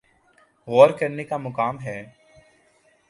غور کرنے کا مقام ہے۔